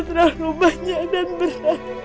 terlalu banyak dan berat